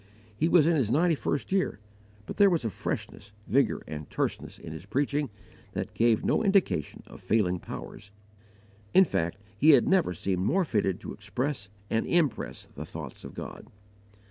He was in his ninety first year, but there was a freshness, vigour, and terseness in his preaching that gave no indication of failing powers; in fact, he had never seemed more fitted to express and impress the thoughts of God.